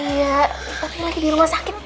iya tapi lagi di rumah sakit